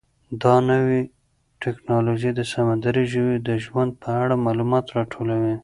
دا نوې ټیکنالوژي د سمندري ژویو د ژوند په اړه معلومات راټولوي.